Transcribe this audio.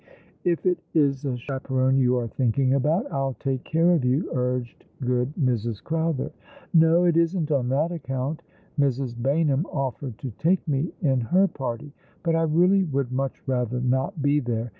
" If it is a chaperon you are thinking about, I'll take care of you," urged good Mrs. Crowther. " No, it isn't on that account. Mrs. Baynham offered to take me in her party. But I really would much rather not be there.